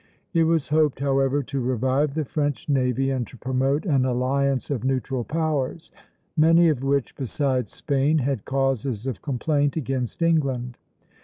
It was hoped, however, to revive the French navy and to promote an alliance of neutral powers; many of which, besides Spain, had causes of complaint against England.